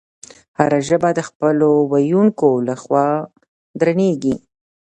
هره ژبه د خپلو ویونکو له خوا درنیږي.